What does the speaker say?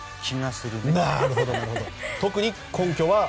特に根拠は。